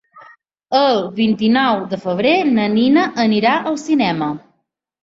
El vint-i-nou de febrer na Nina anirà al cinema.